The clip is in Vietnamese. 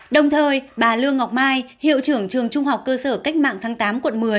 đồng thời bà lương ngọc mai hiệu trưởng trường trung học cơ sở cách mạng tháng tám quận một mươi